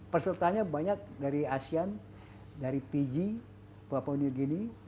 persertanya banyak dari asean dari fiji papua new guinea